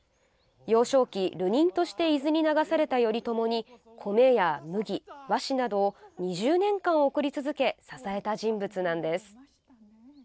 幼少期、流人として伊豆に流された頼朝に米や麦、和紙などを２０年間送り続け支えた人物なのです。